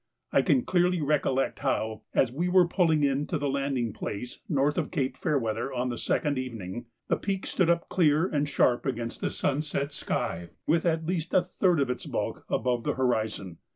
I can clearly recollect how, as we were pulling in to the landing place north of Cape Fairweather on the second evening, the peak stood up clear and sharp against the sunset sky, with at least a third of its bulk above the horizon.